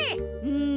うん？